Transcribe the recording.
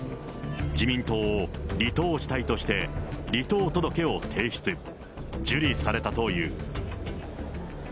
自民党を離党したいとして、離党届を提出、受理されたという。